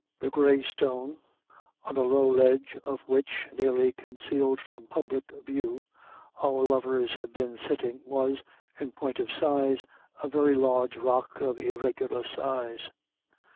The Grey Stone on a low ledge of which, nearly concealed from public view, our lovers had been sitting was, in point of size, a very large rock of irregular size.